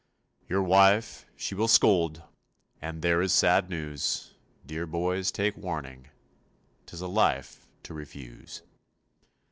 Your wife, she will scold And there is sad news. Dear boys, take warning; 'Tis a life to refuse.